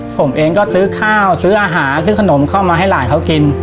ผมเองก็ซื้อข้าวซื้ออาหารซื้อขนมเข้ามาให้หลานเขากิน